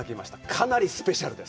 かなりスペシャルです。